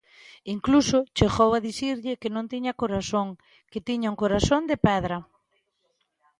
Incluso chegou a dicirlle que non tiña corazón, que tiña un corazón de pedra.